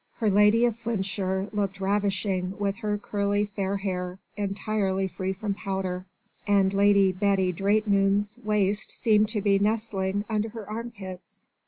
Her Grace of Flintshire looked ravishing with her curly fair hair entirely free from powder, and Lady Betty Draitune's waist seemed to be nestling under her arm pits.